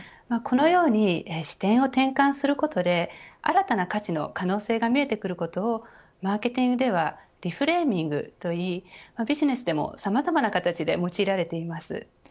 このように視点を転換することで新たな価値の可能性が見えてくることをマーケティングではリフレーミングといいビジネスでもさまざまな形で用いられています。